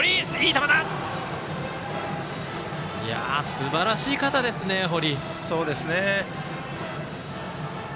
すばらしい肩ですね、堀。